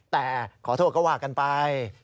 แต่ขอโทษก็ว่ากันไป